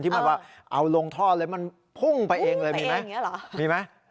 หมายถึงว่าเอาลงท่อเลยมันพุ่งไปเองเลยมีไหม